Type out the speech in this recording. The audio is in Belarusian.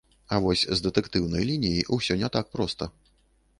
А вось з дэтэктыўнай лініяй усё не так проста.